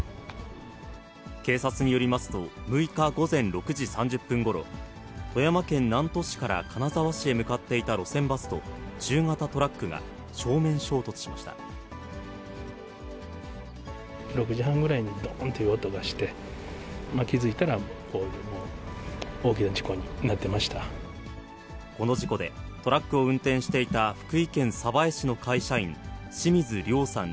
警察によりますと、６日午前６時３０分ごろ、富山県南砺市から金沢市へ向かっていた路線バスと、中型トラック６時半ぐらいにどーんという音がして、気付いたら、この事故で、トラックを運転していた福井県鯖江市の会社員、清水遼さん